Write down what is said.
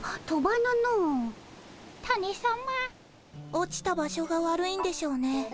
落ちた場所が悪いんでしょうね。